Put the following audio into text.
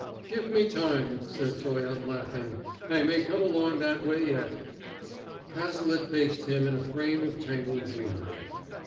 "Give me time," said Toye, laughing. "I may come along that way yet." Cazalet faced him in a frame of tangled greenery.